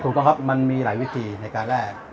ถูกต้องครับมันมีหลายวิธีในการแลก